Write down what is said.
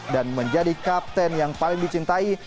dan menjadi kapten yang paling dicintai